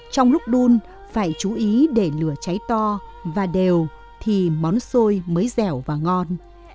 trong lúc đun phải chú ý để lửa cháy to và đều thì món xôi mới dẻo và ngon